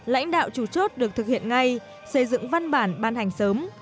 lãnh đạo chủ chốt được thực hiện ngay xây dựng văn bản ban hành sớm